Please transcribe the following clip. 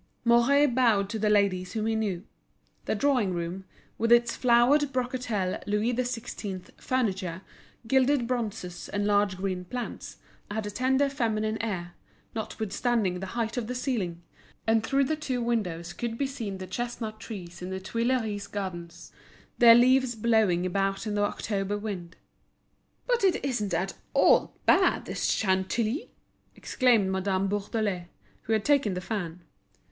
Mouret bowed to the ladies whom he knew. The drawing room, with its flowered brocatel Louis XVI. furniture, gilded bronzes and large green plants, had a tender feminine air, notwithstanding the height of the ceiling; and through the two windows could be seen the chestnut trees in the Tuileries Gardens, their leaves blowing about in the October wind. "But it isn't at all bad, this Chantilly!" exclaimed Madame Bourdelais, who had taken the fan.